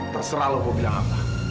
terserah lo mau bilang apa